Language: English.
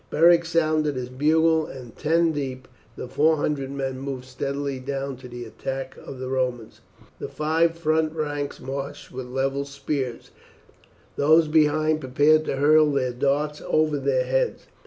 Beric sounded his bugle, and ten deep the four hundred men moved steadily down to the attack of the Romans. The five front ranks marched with levelled spears, those behind prepared to hurl their darts over their heads.